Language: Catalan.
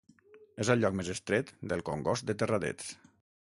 És al lloc més estret del Congost de Terradets.